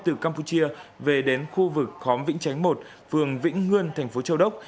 từ campuchia về đến khu vực khóm vĩnh chánh một phường vĩnh ngươn thành phố châu đốc